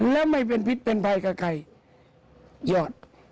และไม่เป็นพิษเป็นภัยกับใครยอด